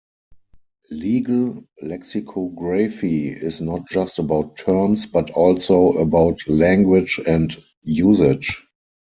Legal lexicography is not just about terms, but also about language and usage.